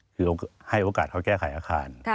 คือให้โอกาสเขาแก้ไขอาคาร